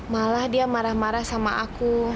malah dia marah marah sama aku